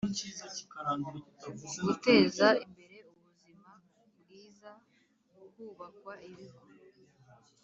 Guteza imbere ubuzima bwiza hubakwa ibigo